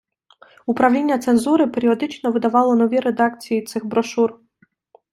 Управління цензури періодично видавало нові редакції цих брошур.